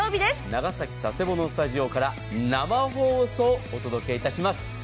長崎・佐世保のスタジオから生放送でお届けいたします。